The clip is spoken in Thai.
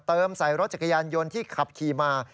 เติมใส่รถจักรยานยนต์ที่ขับขี่มา